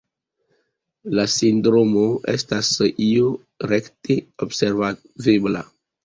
La sindromo estas io rekte observebla.